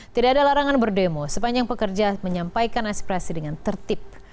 tidak ada larangan berdemo sepanjang pekerja menyampaikan aspirasi dengan tertib